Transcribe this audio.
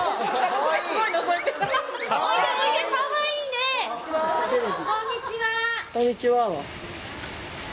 こんにちはは？